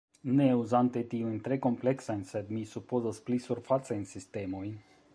ne uzante tiujn tre kompleksajn, sed, mi supozas, pli surfacajn sistemojn.